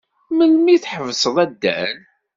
Melmi i tḥebseḍ addal?